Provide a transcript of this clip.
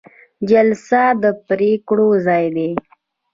جلسه د پریکړو ځای دی